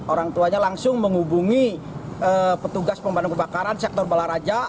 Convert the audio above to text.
orang tuanya langsung menghubungi petugas pemadam kebakaran sektor balaraja